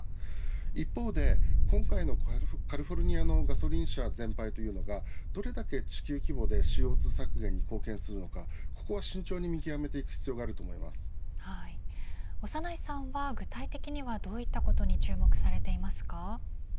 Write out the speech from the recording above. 一方で、今回のカリフォルニアのガソリン車全廃というのはどれだけ地球規模でＣＯ２削減に貢献するのかここは慎重に長内さんは具体的にはどういったことに注目されていますか。